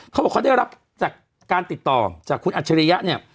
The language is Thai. เขาบอกเขาได้รับจากการติดต่อจากคุณอัจฉริยะเนี่ย